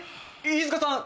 飯塚さん